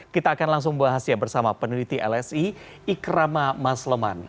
kita akan langsung bahas bersama peneliti lsi ikrama mas leman